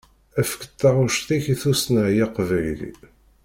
Efk-d taɣect-ik i tussna, ay aqbayli.